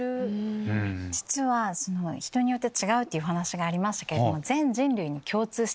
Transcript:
実は人によって違うって話がありますけれども。